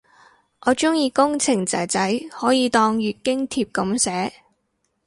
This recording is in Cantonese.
我鍾意工程仔仔可以當月經帖噉寫